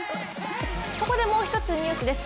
ここでもう一つニュースです。